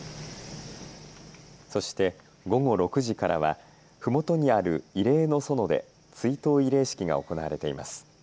そして午後６時からはふもとにある慰霊の園で追悼慰霊式が行われています。